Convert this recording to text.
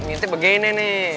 ngintip begini nih